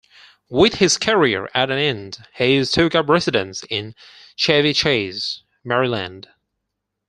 With his career at an end, Hays took up residence in Chevy Chase, Maryland.